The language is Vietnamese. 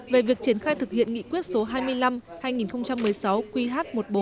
về việc triển khai thực hiện nghị quyết số hai mươi năm hai nghìn một mươi sáu qh một nghìn bốn trăm